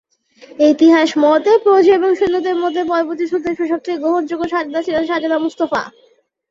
ইতিহাস মতে, প্রজা এবং সৈন্যদের মনে পরবর্তী সুলতান হিসেবে সবথেকে গ্রহণযোগ্য শাহজাদা ছিলেন শাহজাদা মুস্তাফা।